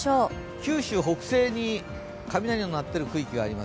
九州北西に雷の鳴っている区域があります。